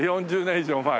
４０年以上前。